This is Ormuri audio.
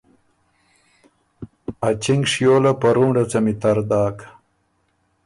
ا چینګه شیو له په رونړه څمی تر داک۔